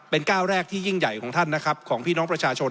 เป็นก้าวแรกที่ยิ่งใหญ่ของท่านนะครับของพี่น้องประชาชน